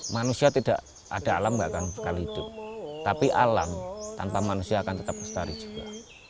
manusia tidak ada alam bahkan sekali hidup tapi alam tanpa manusia akan tetap lestari juga